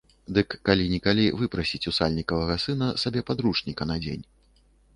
Дык калі-нікалі выпрасіць у сальнікавага сына сабе падручніка на дзень.